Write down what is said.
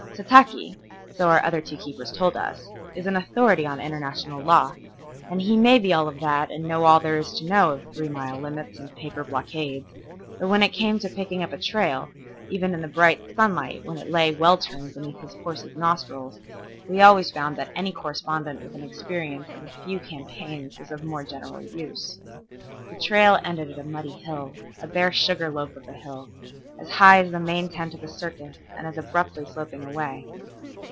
Sataki, so our two other keepers told us, is an authority on international law, and he may be all of that and know all there is to know of three mile limits and paper blockades, but when it came to picking up a trail, even in the bright sunlight when it lay weltering beneath his horse's nostrils, we always found that any correspondent with an experience of a few campaigns was of more general use. The trail ended at a muddy hill, a bare sugar loaf of a hill, as high as the main tent of a circus and as abruptly sloping away.